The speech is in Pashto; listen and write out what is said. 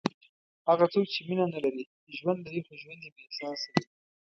هغه څوک چې مینه نه لري، ژوند لري خو ژوند یې بېاحساسه وي.